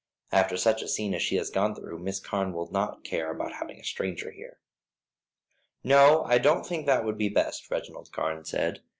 After such a scene as she has gone through Miss Carne will not care about having a stranger here." "No, I don't think that would be best," Reginald Carne said.